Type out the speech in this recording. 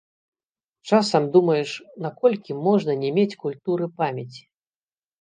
Часам думаеш, наколькі можна не мець культуры памяці?